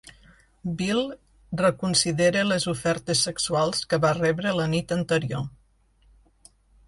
Bill reconsidera les ofertes sexuals que va rebre la nit anterior.